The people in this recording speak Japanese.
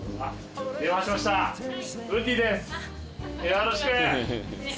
よろしく。